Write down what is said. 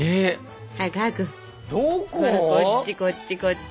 こっちこっちこっち。